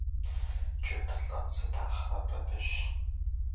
ДжэдылӀэм зыдахьа бабыщ.